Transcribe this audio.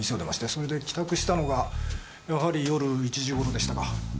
それで帰宅したのがやはり夜１時頃でしたか。